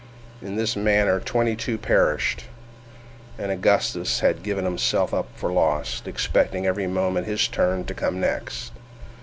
In this manner twenty two perished, and Augustus had given himself up for lost, expecting every moment his own turn to come next.